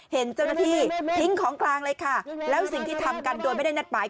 เห็นเจ้าหน้าที่ทิ้งของกลางเลยค่ะแล้วสิ่งที่ทำกันโดยไม่ได้นัดหมาย